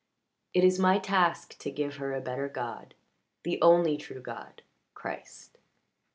"It is my task to give her a better god the only true God Christ."